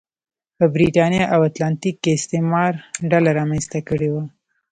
په برېتانیا او اتلانتیک کې استعمار ډله رامنځته کړې وه.